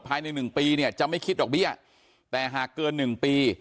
ภายในหนึ่งปีเนี่ยจะไม่คิดดอกเบี้ยแต่หากเกิน๑ปี